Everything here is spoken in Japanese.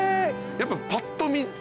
やっぱぱっと見。